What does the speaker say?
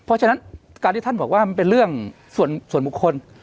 เพราะฉะนั้นการที่ท่านบอกว่ามันเป็นเรื่องส่วนบุคคล